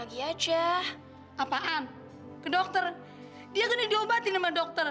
dia kan udah diobatin sama dokter